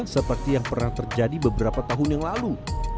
seperti yang pernah terjadi beberapa tahun yang lalu